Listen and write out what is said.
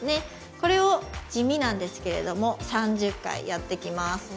これを地味なんですけれども３０回やっていきます